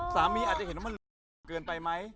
สามีอาจจะเห็นว่ามันเหลือเกินไปมั้ย